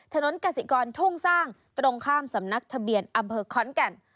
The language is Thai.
กสิกรทุ่งสร้างตรงข้ามสำนักทะเบียนอำเภอขอนแก่น